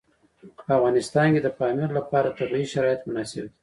په افغانستان کې د پامیر لپاره طبیعي شرایط مناسب دي.